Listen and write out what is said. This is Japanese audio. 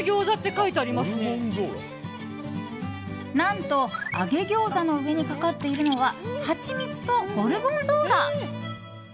何と、揚げ餃子の上にかかっているのはハチミツとゴルゴンゾーラ！